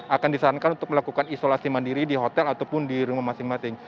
akan disarankan untuk melakukan isolasi mandiri di hotel ataupun di rumah masing masing